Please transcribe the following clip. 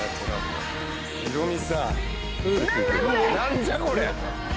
何じゃこれ？